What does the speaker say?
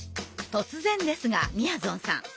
突然ですがみやぞんさん